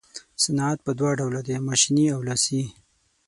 صنعت په دوه ډوله دی ماشیني او لاسي.